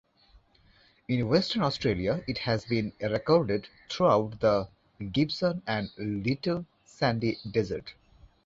In Western Australia it has been recorded throughout the Gibson and Little Sandy Desert.